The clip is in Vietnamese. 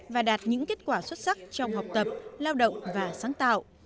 và đạt những kết quả xuất sắc trong học tập lao động và sáng tạo